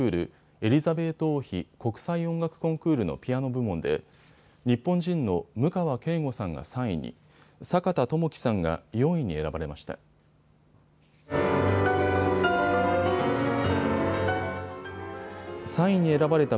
エリザベート王妃国際音楽コンクールのピアノ部門で日本人の務川慧悟さんが３位に、阪田知樹さんが４位に選ばれました。